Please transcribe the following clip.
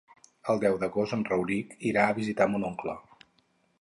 El deu d'agost en Rauric irà a visitar mon oncle.